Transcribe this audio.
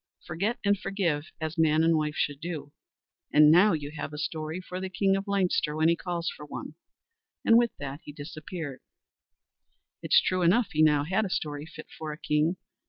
Forget and forgive as man and wife should do, and now you have a story for the king of Leinster when he calls for one"; and with that he disappeared. It's true enough he now had a story fit for a king.